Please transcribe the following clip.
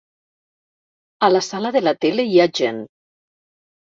A la sala de la tele hi ha gent.